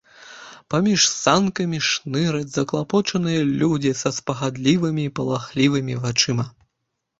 Паміж санкамі шныраць заклапочаныя людзі са спагадлівымі і палахлівымі вачыма.